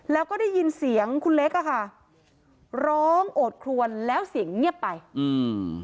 แล้วก็ได้ยินเสียงคุณเล็กอ่ะค่ะร้องโอดครวนแล้วเสียงเงียบไปอืม